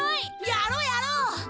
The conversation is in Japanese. やろうやろう！